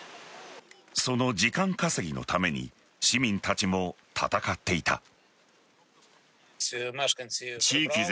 その時間稼ぎのために市民たちも戦っていた。